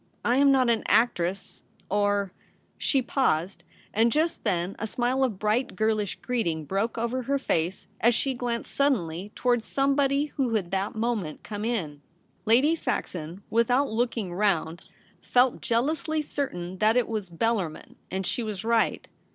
I am not an actress — or ' She paused ; and just then a smile of bright girlish greeting broke over her face as she glanced suddenly towards somebody who had that moment come in. Lady Saxon, without looking round, felt jealously certain that it was Bellarmin, and she was right.